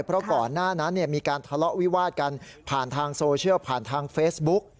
เพราะก่อนหน้านั้นมีการทะเลาะวิวาดกันผ่านทางโซเชียลผ่านทางเฟซบุ๊ก